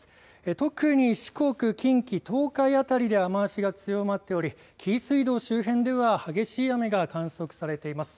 特に四国、近畿、東海辺りで雨足が強まっており紀伊水道周辺では激しい雨が観測されています。